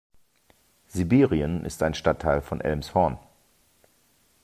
Sibirien ist ein Stadtteil von Elmshorn.